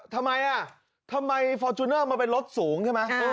ทำไมฟอร์จูเนอร์มันเป็นรถสูงใช่ไหม